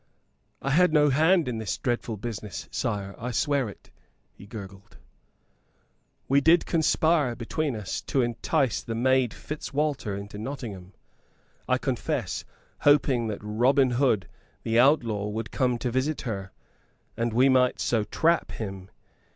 "I had no hand in this dreadful business, sire, I swear it," he gurgled. "We did conspire between us to entice the maid Fitzwalter into Nottingham, I confess, hoping that Robin Hood, the outlaw, would come to visit her, and we might so trap him.